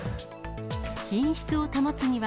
品質を保つには、